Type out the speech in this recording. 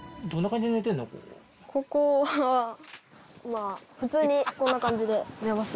ここはまあ普通にこんな感じで寝ますね。